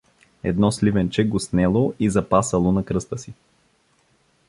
Едно сливенче го снело и запасало на кръста си.